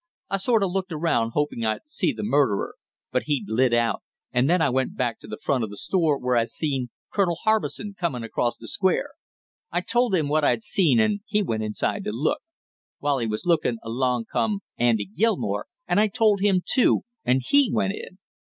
I sort of looked around hoping I'd see the murderer, but he'd lit out, and then I went back to the front of the store, where I seen Colonel Harbison coming across the Square. I told him what I'd seen and he went inside to look; while he was looking, along come Andy Gilmore and I told him, too, and he went in.